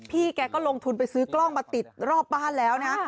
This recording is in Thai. แกก็ลงทุนไปซื้อกล้องมาติดรอบบ้านแล้วนะ